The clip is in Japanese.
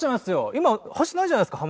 今走ってないじゃないですか